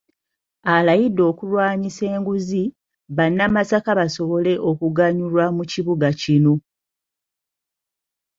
Alayidde okulwanyisa enguzi, bannamasaka basobole okuganyulwa mu kibuga kino.